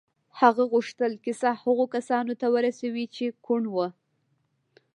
هغه غوښتل کیسه هغو کسانو ته ورسوي چې کڼ وو